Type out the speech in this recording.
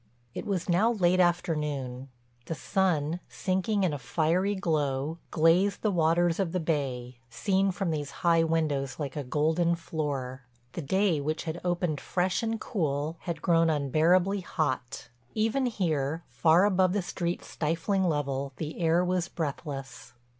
It was now late afternoon, the sun, sinking in a fiery glow, glazed the waters of the bay, seen from these high windows like a golden floor. The day, which had opened fresh and cool, had grown unbearably hot; even here, far above the street's stifling level, the air was breathless.